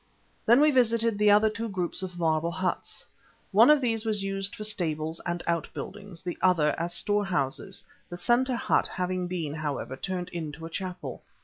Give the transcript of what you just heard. Then we visited the other two groups of marble huts. One of these was used for stables and outbuildings, the other as storehouses, the centre hut having been, however, turned into a chapel.